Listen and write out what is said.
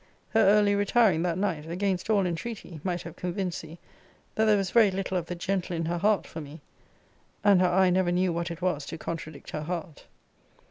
Her early retiring that night, against all entreaty, might have convinced thee, that there was very little of the gentle in her heart for me. And her eye never knew what it was to contradict her heart.